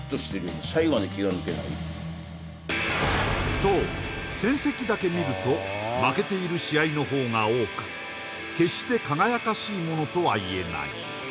そう成績だけ見ると負けている試合のほうが多く決して輝かしいものとはいえない